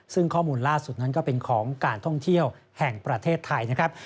ซึ่งข้อมูลล่าสุดนั้นก็เป็นของการท่องเที่ยวแห่งประเทศไทยนะครับ